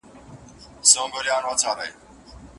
د کلمو د سم انتخاب لپاره املا یو ښه تمرین دی.